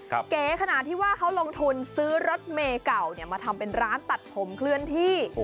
เก๋ขนาดที่ว่าเขาลงทุนซื้อรถเมย์เก่ามาทำเป็นร้านตัดผมเคลื่อนที่